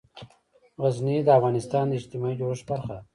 غزني د افغانستان د اجتماعي جوړښت برخه ده.